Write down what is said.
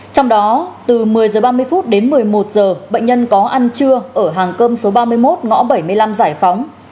trong đó từ một mươi h ba mươi đến một mươi một h bệnh nhân có ăn trưa ở hàng cơm số ba mươi một ngõ bảy mươi năm giải phóng